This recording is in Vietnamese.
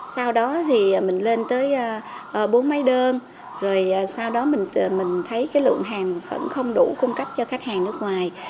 sau đó thì mình lên tới bốn máy đơn rồi sau đó mình thấy cái lượng hàng vẫn không đủ cung cấp cho khách hàng nước ngoài